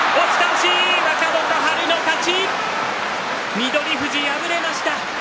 翠富士、敗れました。